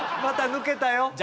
また抜けたよ。